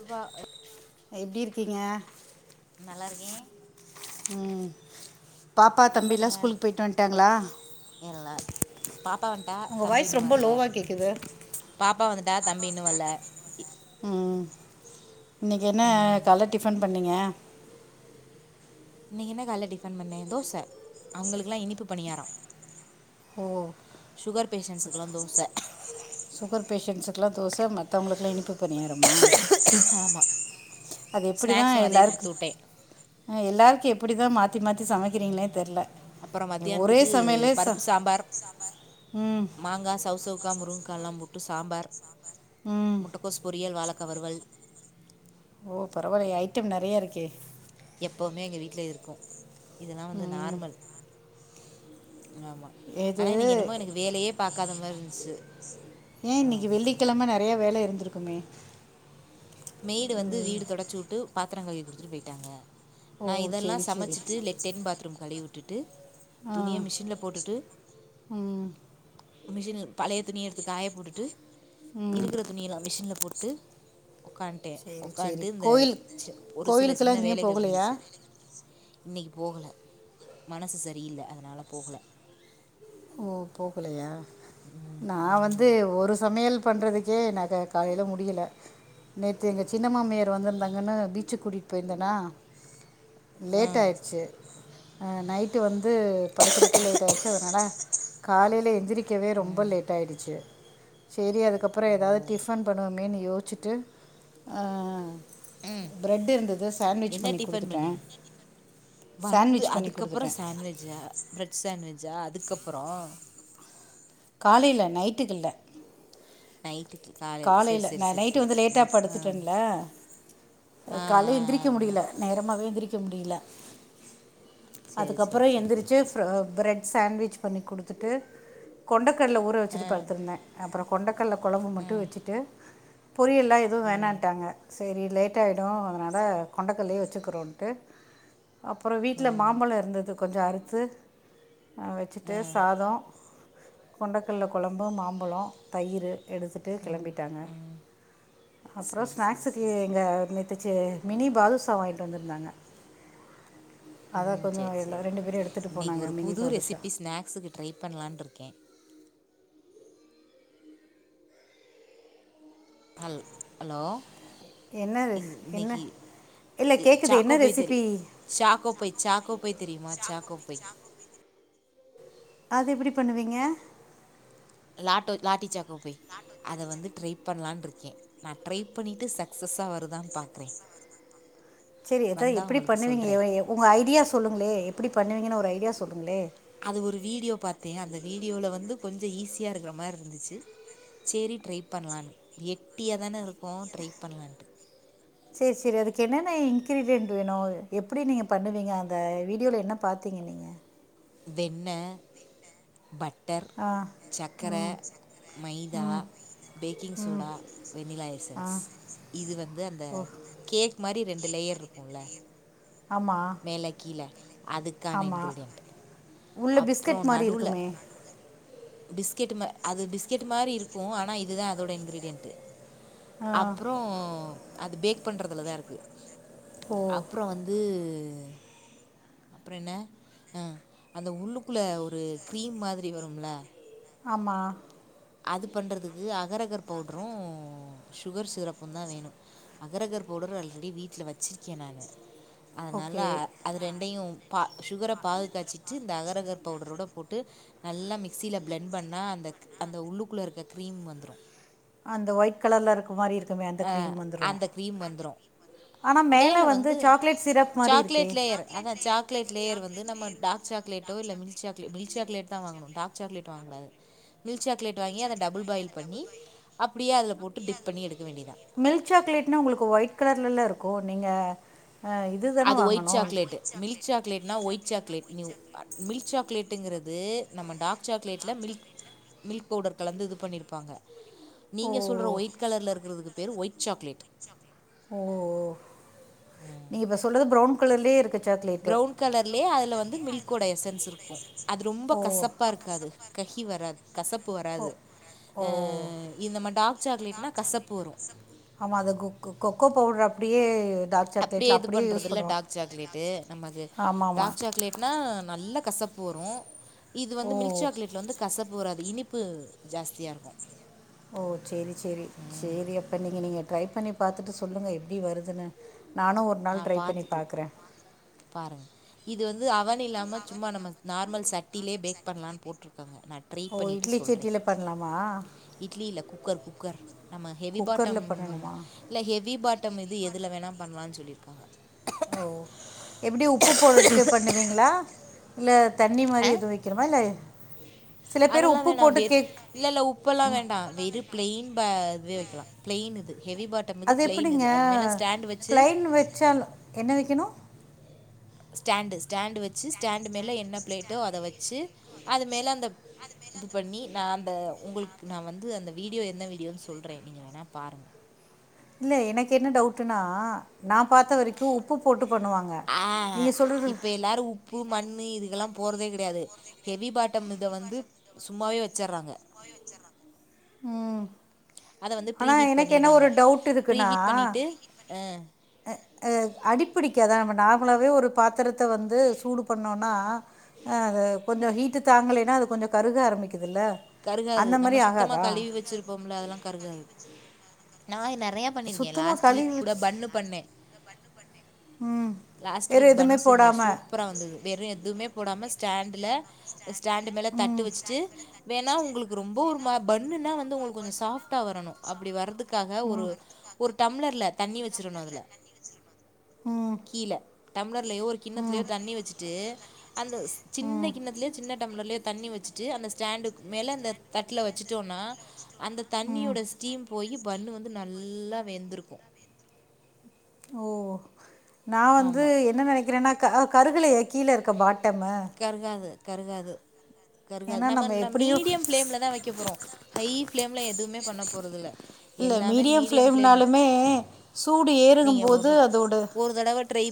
ரூபா எப்டி இருக்கீங்க ஏ ம் பாப்பா ரொம்ப தம்பியிலா நல்லா ஸ்கூலுக்கு இருக்கேன் போயிட்டு வந்துட்டாங்களா நல்லா பாப்பா வந்துட்டா உங்க தம்பி வாய்ஸ் இன்னும் ரொம்ப வரல லோவா கேட்குது பாப்பா வந்துட்டா தம்பி இன்னு வல்ல ம் இன்னைக்கு என்ன ம் கால்ல டிஃபன் பண்ணீங்க இன்னைக்கு என்ன கால்ல டிஃபன் பண்ணே தோச அவங்களுக்கலா இனிப்பு பணியாரோ ஓ சுகர் பேஷன்ஸ் ஸு்குலா தோச க்லாம் தோச மத்தவங்களுக்குலா இனிப்பு பணியாரமா ஆமாம் அது எப்டிதா ஸ்நாக்ஸும் அதே எல்லாருக்கு கொடுத்து விட்டேன் அ எல்லாருக்கு எப் எப்டிதா மாத்தி மாத்தி சமைக்கிறீங்கனே தெர்ல அப்பறோ மதியானத்துக்கு பருப்பு சாம்பார் ம் மாங்கா சௌசெளவு உக்கா முருங்க்காலா போட்டு சாம்பார் ம் முட்டகோஸ் பொறியல் வாழக் வறுவல் ஓ பரவாலயே ஐட்டம் நெறைய இருக்கே எப்பவுமே எங்க வீட்ல இருக்கும் இதலாம் வந்து ம் நார்மல் ஆமா ஆனா இது இன்னக்கி என்னமோ எனக்கு வேலையே பாக்காத மாரி இருக்கு இ [unintelligible] ஏன் இன்னைக்கு வெள்ளிக்கிழமை நெறைய வேல இருந்திருக்கு க்குமே மேய்டு வந்து வீடு தொடச்சுட்டு பாத்திரம் கழவி கொடுத்துட்டு போயிட்டாங்க ஓ நான் இதெல்லா சரி சரி சமைச்சிட்டு லெட்டின் பாத்ரூம் கழிவூட் ட்டுட்டு [inaudible] ஆஹ் உம் மிஷின் பழைய துணிய எடுத்து காய போட்டுட்டு ம் இருக்கிற துணிய எல்லா மிஷின்ல போட்டு ட்டு உக்காண்ட்டே சரி சரி உக்காண்ட்டு இந்த கோயில் ச ச்ஒரு சில கோயிலுக்கெல்லாம் சின்ன எங்கேயும் வேலைகள் போகலையா இருந்துச்சு இன்னைக்கு போகல மனசு சரியில்ல அதனாலபோகலை ஓ போகலையா ம், நான் ம். வந்து ஒரு சமையல் பண்ணுறதுக்கே நாங்க காலையி முடியல நேத்தி எங்க சின்ன மாமியார் வந்திருந்தாங்கன்னு பீச்சு கூட்டிட்டு போயிருந்தேனா ஆ லேட் ஆயிடுச்சு அஹ் நைட்டு வந்து படுக்கறக்கு லேட் ஆயிடுச்சு அதனால காலையில எந்திரிக் க்கவே ரொம்ப லேட் ஆயிடுச்சு சரி ஓ அதுக்கப்புறம் ஏதாவது டிஃபன் பண்ணுவோமே நீ யோச்சிட்டு ம் என்ன பண்ணி டிபன் கொடுத்துட்டேன் பண்ணீங்க வந்து சாண்ட்விச் பண்ணி அதுக்கப்புறொம் கொடுத்துட்டேன் சாண்ட்விஜ் அ பிரட் சாண்ட்விஜ் அது கப்புறம் காலையில நைட்டுக்குல்ல நைட் காலையில ந நைட்டு வந்து லேட்டா ஆ படுத்துட்டேன்ல ஆ ஆ கால்ல எந்திரிக்க ஆ ஆ முடியல நேரமாவெ எந்திரிக்க முடியல சரி சரி அதுக்கப்புறம் சரி எந்திரிச்சு ஃர பிரெட் சாண்ட்விசஜ் பண்ணி கொடுத்துட்டு கொண்ட கல் ஊற ஆ வச்சுட்டு படுத்திருந்தேன் அப்புறம் கொண்டக்கடல குழம்பு மட்டு ட்டு ம் வச்சிட்டு பொரியெல்லா எது ம் வேணான்ட்டாங்க சரி லேட்டாய்டு அதனால கொண்டக்கல்லேயே வச் சுக்றோட்டு அப்புறோ ஆ வீட்டுல மாம்பழொ இருந்துது கொஞ்சோ அறுத்து அ வச்சுட்டு ஆ சாதொ கொண்டைக்கல்ல கொழம்பு மாம்பழோ தயிர் எடுத் விட்டு கிளம்பிட்டாங்க அப்றோ சரி சரி ஸ்நாக்ஸுக்கு சரி சரி எங்கே நிறுத்துச்சி மினி பாதுசா வாங்கிட்டு வந்திருந்தாங்க அதை ம் கொஞ்சம் சரி எல்லா சரி ரெண்டு பேரும் எடுத்துகிட்டு இன்னைக்கு போனாங்க ஒரு மினி புது பாதுஷா ரெசிபி ஸ்நாக்ஸுக்கு ட்ரை பண்ணலானுருக்கே அல் ஹலோ என்ன இ ரெஸ்- என்ன இன்னைக்கு இல்லை கேட்குது என்ன சாக்கோ போய் தெரி recipe choco pie choco pie தெரியுமா சாக்கோ போய் அது எப்டி பண்ணுவீங்க லாட்டோ லாட்டிச்சாக் போய் அத வந்து ட்ரை பண்லான்னு இருக்கே நான் ட்ரை பண்ணிட்டு சக்சஸ்ஸா வருதான்னு பாக்றே செரி எதா எப்படி பண்ணுவீங்க உங்க ஐடியா சொல்லுங்ளே எப்டி பண்ணுவீங்கன்னு ஒரு ஐடியா சொல்லுங்களே அது ஒரு வீடியோ பாத்தே அந்த வீடியோவுல வந்து கொஞ்ச ஈஸியா இருக்கிற மாதிரி இருந்துச்சு சரி ட்ரை பண்ணலான்னு வெட்டியா தானே இருக்கோ ட்ரை பண்ணலான்ட்டு செரி செரி அதுக்கு என்னென்ன இன்கிரீடியன்ட் வேணு எப்டி நீங்க பண்ணுவீங்க அந்த வீடியோல என்ன பாத்தீங்க நீங்க வெண்ண பட் ட்டர் ஆ சக்கர ம் மைதா ம் பேக்கிங் ம் சோடா வெண்ணிலா ஆ எசன்ஸ் இது வந்து அந்த ஓ கேக் மாதிரி ரெண்டு லேயர் இருக்கும்ல ஆமாம் மேல கீழ அதுக்கான ஆமாம் இன்கிரீடியன்ட் உள்ள பிஸ்கட் மாரி இருக்குமே பிஸ்கெட் மரி அது பிஸ்கெட் மாரி இருக்கு ஆனா இதுதா அதோட இன்கிரீடியன்ட் ஆ அப்புறோ அது பேக் பண்றதுல தா இருக்கு ஓ அப்புறோ வந்து ஹ் அப்புறோ என்ன அ அந்த உள்ளுக்குள்ள ஒரு கிரீம் மாதிரி வரும்ல ஆமா அது பண்ணுறதுக்கு அகரகர் பவுடரு சுகர் சிரப்பு தா வேணு அகரகர் பவுடர் ஆல்ரெடி வீட்ல வச்சுிருக்கே நானு அதனால ஓகே அது ரெண்டையு பா சுகர பாதுகாய்ச்சிட்டு இந்த அகரகர் பவுடரோட போட்டு நல்லா மிக்சியில பிளண்ட் பண்ணா அந்த அந்த உள்ளுக்குள்ள இருக்க க்ரீம் வந்துரு அந்த ஒயிட் கலர்ல இருக்க மாரி அ அந்த கிரீம் வந்துரு ஆனால் மேலே மேல வந்து சாக்லேட் சிரப் மாதிரி இருக்கே சாக்லேட் லேயர் அத சாக்லேட் லேயர் வந்து நம்ம டார்க் சாக்லேட் டோர்ல மில்க் சாக்லேட் மில்க் சாக்லேட் தா வாங்கனு டாக் சாக்லேட் வாங்க கூடாது மில்க் சாக்லேட் வாங்கி அத டபுல்பாயில் பன்னிஅப்புடியே அது போட்டு டிப் பன்னி எடுக் மில்க் சாக்லேட்னா உங்களுக்கு ஒயிட் கலர்லல இருக்கு கோ நீங்க அது ஒயிட் சாக்லேட் மில்க் சாக்லேட்னா ஒயிட் ம் சாக்லேட் நியூ மில்க் சாக்லேட்டுங்கிறது நம்ம டார்க் சாக்லேட்டில மில்க் மில்க் பவுடர் கலந்து இது பண்ணியிருப்பாங்க ஓ நீங்க சொல்ற ஒயிட் கலர்ல இருக்கதுக்கு வெறு ஒயிட் சாக்லேட் ஓ நீ பஸ் சொல்றது ப்ரவுன் கலர்லே இருக்கு ப்ரவுன் கலர்லயே அதுல வந் து மில்கோட எசன்ஸ் இருக்கு அது ரொம்ப கசப்பா இருக்காது க கிவராது ஒ ஓ இது நம்ம டார்க் சாக்லேட்னா கசப்பு வரும் ஆமா அந்த கொ கொக்கோ பவுடர் அப்டியே அப்டியே இது பண்றது இல்ல டாக் சாக்லேட்டு நம அது ஆமாம் ஆமாம் டாக் சாக்லேட்னா நல்ல கசப்பு வரு இது வந்து மில்க் ஓ சாக்லேட்ல வந்து கசப்பு வராது இனிப்பு ஜாஸ்தியா இருக்கு ஓ செரி செரி செரி அப்பன்னிங்க நீங்க ட்ரை பண்ணி பார்த்துட்டு சொல்லுங்க எப்டி வருதுன்னு நானு ஒரு நாள் நான் ட்ரை பண்ணி பார்த்துட்டு பாக்றே பாருங்கள் இது வந்து அவன் இல்லாம சும்மா நம்ம நார்மல் சட்டியிலயே பேக் பண்லான்னு போட்ருக்காங்க நான் ட்ரை ஓ பண்ணிட்டு இட்லி சொல்றே சட்டியில் பண்ணலாமா இட்லி இல்ல குக்கர் குக்கர் நம்ம ஹெவி பாட்டம் குக்கரில் பண்ணணுமா இல்ல ஹெவி பாட் ட்டம்இது எதுல வேணா பண்ணலா சொல்லி ப ஓ எப்டி உப்பு போடுட்டு பண்ணுவீங்களா இல்ல தண்ணி மாரி எதுவு வைக்கிறோமா இல்ல அதெல்லா வேணா வெ இல்ல இல்ல உப்பெல்லா வேணா வெறு ப்ளைன் இதுவே வைக்கலாம் பிளைன் இது ஹெவி பாட்டம் இது அது ப்ளெயின் எப்படிங்க இது அது மேலே ஸ்டாண்டு வச்சு கபிளைன் வச்சால என்ன வைக்கணும் ஸ்டாண்டு ஸ்டாண்டு வச்சு ஸ்டாண்டு மேலே என்ன பிளேட்டோ அதை வச்சு அது மேலே அந்த இது பண்ணி நான் அந்த உங்களுக்கு நான் வந்து அந்த வீடியோ என்ன வீடியோனு சொல்றேன் நீங்கள் வேணா பாருங்க இல்ல எனக்கு என்ன டவுடன்னா ஆஹ் நீங்கள் சொல்கிறது இப்ப எல்லாரும் உப்பு மண்னு இதுக்கெல்லாம் போறதே கிடையாது ஹெவி பாட்டம் இதை வந்து சும்மாவே வச்சடுறாங்க உம் அத வந்து ப்ரீ ஹீட் பண்ணறாங்க இருக்குன்னா ப்ரீஹீட் பண்ணிட்டு அஹ அடிப்பிடிக்க ந நார்மலாவே ஒரு பாத்திரத்தை வந்து சூடு பண்ணோம்னா கொஞ்சம் ஹீட்டு தாங்கலேன்னா அது கொஞ்சம் கருக ஆரம்பிக்கும் கருகாது நம்ம சுத்தமா கழுவி வச்சிருப்போம்ல அதெல்லாம் கருகாது என்ன [unintelligible] நிறையா பண்ணியிருக்கேன் சுத்தமா லாஸ்ட் வீக் கழுவி கூட வச் பன்னு பண்ணேன் ம் லாஸ்ட் வேற வீக் பன் எதுவுமே செஞ்சேன் போடாம சூப்பராக வந்தது வெறும் எதுவுமே போடாம ஸ்டாண்ட்ல ஸ்டாண்டு மேலே தட்டு ம் வச்சுட்டு உங்களுக்கு ரொம்ப ஒரு பண்ணுன வந்து உங்களுக்கு கொஞ்சம் சாஃப்டா வரணும் அப்படி வரதுக்கு வரதுக்காக ஒரு ஒரு டம்ளர்ல தண்ணி வச்சிடணும் அதில ம் கீழே டம்ளர் டம்ளர்லயோ ஒரு கிண்ணத்திலயோ ம் தண்ணி வச்சுட்டு அந்த சின்ன ம் கிண்ணத்திலேயே சின்ன டம்லர்ல தண்ணி வச்சுட்டு அந்த ஸ்டாண்டு மேல இந்த தட்டுல வச்சுட்டோம்னா அந்த ம் தண்ணியோட ஸ்டீம் போயி பண்ணு வந்து நல்லா வெந்திருக்கும் ஓ நான் வந்து ஆமாம் என்ன நினைக்கிறேன்னா கருகளை [unintelligible] கீழே இருக்கிற பாட்டமும் கருகாது கருகாது கருகாது நம்ம ந மீடியம் எப்டியு பிளேம்ல தான் வைக்க போறோம் ஹை பிளேம்ல எதுவுமே பண்ண போறதுஇல்ல இல்ல மீடியம் பிளேம்னாலுமே சூடு ஏறும் போது அதோடு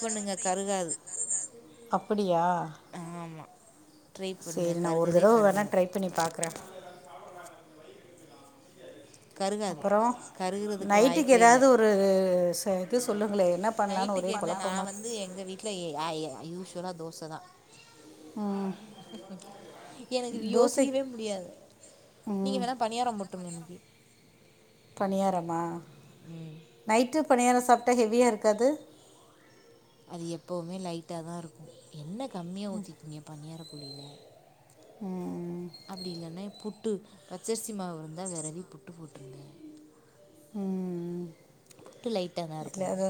பண்ணுங்க கருகாது அப்படியா ஆமா சேரி நா ஒரு தடவ வேண்ணா ட்ரை பண்ணி பாக்குறே. கருகாது அப்பறோ கருகிறதுக்கு நைட்டுக்கு வாய்ப்பே இல்லை எதாவது ஒரு செ து சொல்லு ல்லு என்ன பண்லானு ஒரே கொழப்பமா யா ய யூஸ்வலா தோசதா ம் எனக்கு இது தோசை யோசிக்கவே முடியாது நீங்க ம் வேண்ணா பணியாரோ போட்ருங்க இன்னக்கி பணியாரமா நைட் டு பணியாரோ சாப்ட்டா ஹெவியா இருக்காது? அது எப்பவுமே லைட்டாதா இருக்கு எண்ண கம்மியா ஊத்திக்கிங்க பணியார குழில ம் அப்டி இல்லன்னா புட் டு பச்சரிசி மாவு இருந்தா வெரவி புட்டு போட்ருங்க ம் புட்டு லைட்டாதா இருக்கு இல்லை அது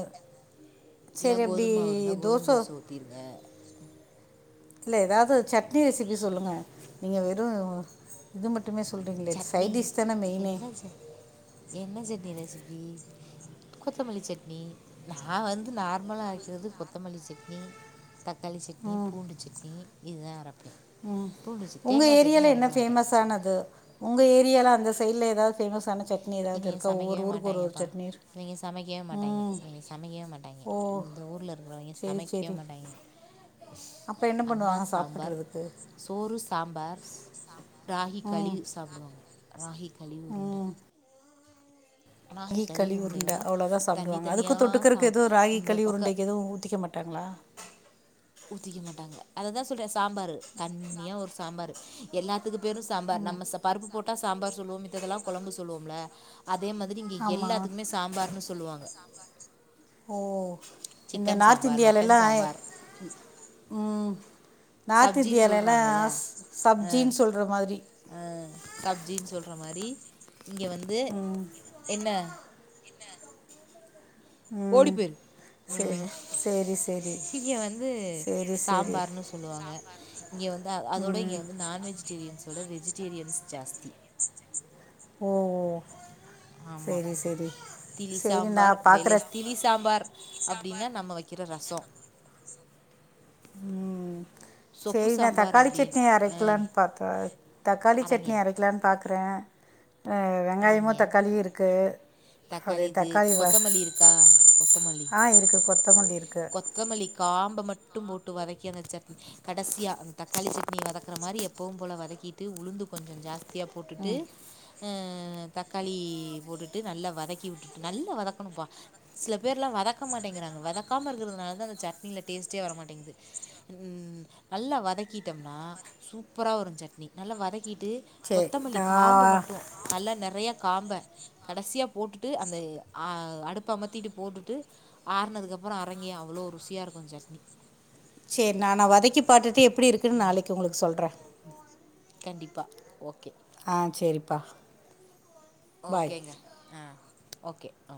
இல்ல சரி அப்படி கோதும மாவு இருந்தா கோதும தோசை தோச ஊத்திருங்க. [inaudible] இல்ல எதாவது சட்னி ரெசிபி சொல்லுங்க. நீங்க வெறு ம் இது மட் சட்னி என்ன சட் என்ன சட்னி ரெசி பி கொத்தமல்லிச்சட்னி நா வந்து நார்மலா அரைக்கறது கொத்தமல்லிச் சட்னி தக்காளி சட்னி ம் பூண்டு சட்னி இதா அரப் ம் உங்க ஏரியால என்ன அரைக்க மாட்டேன் ஃபேமஸானது? உங்க ஏரியால அந்த சைட்ல எதாவது ஃபேமஸான சட் இவிங்க சமைக்கவே மாட்டாய்ங்கப்பா இவிங்க சமைக்கவே மாட்டாய்ங்கே ம் இவிங்க சமைக்கவே மாட்டாய்ங்கே ஓ இந்த ஊர்ல இருக்கறவங்க சரி சமைக்கவே சரி மாட்டாய்ங்க அப்போ என்ன அண்ண பண்ணுவாங்க சாம்பார் சாப்பிட்றதுக்கு சோறு சாம்பார் ராகி களி ம் சாப்டுவாங்க ராகி களி உருண்ட கி களி உருண்ட அவ்ளதா தண்ணி சாப்டுவாங்க அதுக்கு தண்ணியாக தொட்டுக்கருக்கு சாம் எது ராகி இந்த களி பக்கம் உருண்டைக்கு எதுவு ஊத்திக்க மாட்டாங்களா? அததா சொல்ற சாம்பாரு தண்ணியா ஒரு சாம்பாரு எல்லா துக்கு பேரு சாம்பார் நம்ம ச பருப்பு போட்டா சாம்பார் சொல்வோ மித்ததெல்லா கொழம்பு சொல்லுவோம்ல அ அதேமா ரி இங்க ஆமாம் எல்லாத்துக்குமே சாம்பார்ன்னு சொ சொல்லுவாங்க ஓ இந்த சிக்கன் நார்த் சாம்பார் இன்டியாலலா மட்டன் சாம்பார் ம் நார்த் சப்ஜின்னு இந்தியாலலா சொல்கிறாங்கல்ல சப்ஜின்னு சொல்ற மாதிரி ஆ சப்ஜின்னு சொல்ற மாரி இங்க வந்து ம் என்ன ஓடி ம் போய்ரு சரி ம் சரி சரி இங்க வந்து சரி சரி சாம்பார்ன்னு சொல்லுவாங்க இங்க வந்து அதோட இங்க ம் வந்து நான் வெஜிடேரியஸ் ஓட வெஜி டேரியன்ஸ் ஜாஸ்தி ஓஓ ஆமா திளி சரி சாம்பார் நான் வேலே பார்க்குறேன் திளி சாம்பார் அப்டின்னா நம்ம வைக்கிற ரசோ ம் சொப்பு செரி நா சாம்பார் தக்காளி சட்னி அப்படின்னு அரைக்கலாம்னு பாத்தா தக்காளி அரங்க சட்னி அரைக்கலான்னு பாக் குறே அ வெங்காயமு அரங்க தக்காளியு இருக்கு அப்டியே இது தக்காளி வ கொத்தமல்லி இருக்கா கொத்தமல்லி ஆ இருக்கு கொத்தமல்லி இருக்கு காம்ப மட்டும் போட்டு வதக்கி அந்த சட் கடசியா அந்த தக்காளி சட்னி வதக்கற மாரி எப்பவு போல வதக்கிட்டு உளுந்து கொஞ்சம் ஜாஸ் த்தியா போட்டுட்டு ம் அ அ தக்காளி போட்டுட்டு நல்லா வதக்கிவுட்டு நல்லா வதக்கனும்ப்பா சில பேர்லா வதக்க மாட்டேன்கிறாங்க வதக்காம இருக்கிறதுனால தான் அந்த சட்னில டேஸ்டே வர மாட்டேங்குது ம் நல்லா வதக்கிட்டோம்னா சூப்பரா வரும் சட்னி நல்லா வத க்கிட்டு சரி கொத்தமல்லி காம்ப நான் மட்டு நெறைய காம்ப கடைசியா போட்டுட்டு அந்த அ அடுப்ப அமத்திட்டு போட்டுட்டு ஆறுனதுக்கு அப்புறோ அரைங்கே அவ்ளோ ருசியா இருக்கு சட்னி செரி நா நா வதக்கி பாட்டுட்டு எப்டி இருக்குன்னு நாளைக்கு உங்களுக்கு சொல்றே கண்டிப்பா ஓகே ஆ செரிப்பா ஓகேங்க அ ஓகே அ